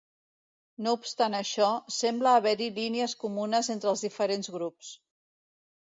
No obstant això, sembla haver-hi línies comunes entre els diferents grups.